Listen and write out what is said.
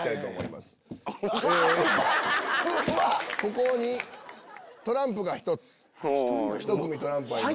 ここにトランプが１つひと組トランプがあります。